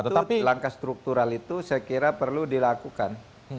tetapi langkah struktural itu saya kira perlu dilakukan